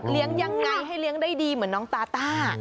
ยังไงให้เลี้ยงได้ดีเหมือนน้องตาต้า